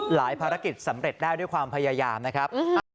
ภารกิจสำเร็จได้ด้วยความพยายามนะครับ